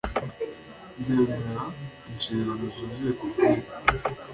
nzemera inshingano zuzuye kubwibi